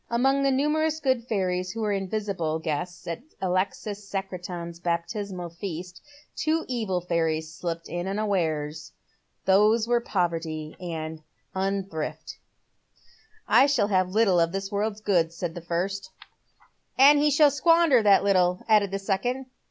Among the numerous good fairies who were invisible guests at Alexis Secretan's baptismal feast two evil fairies slipped in imawares. These were Poverty and Unthrift. " 5e shall have little of this world's goods," said the first. 16 Dead Men's Shoa. " And he shall squander that little," added the second.